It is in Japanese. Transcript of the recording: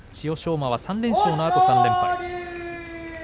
馬は３連勝のあと、３連敗。